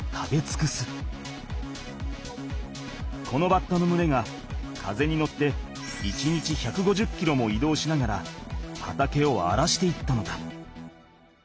このバッタのむれが風に乗って１日１５０キロも移動しながら畑をあらしていったのだ。